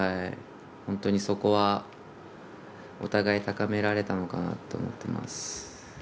本当にそこはお互い高められたのかなと思っています。